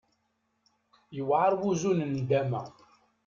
Yewɛer wuzu n nndama.